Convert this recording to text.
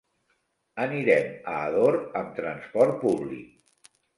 Anirem a Ador amb transport públic.